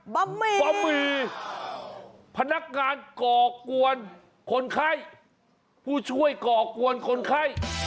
บะหมี่พนักงานก่อกวนคนไข้ผู้ช่วยก่อกวนคนไข้